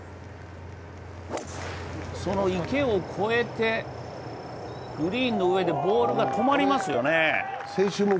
その池を越えてグリーンの上でボールが止まりますよね。